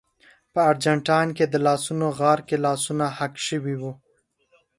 په ارجنټاین کې د لاسونو غار کې لاسونه حک شوي وو.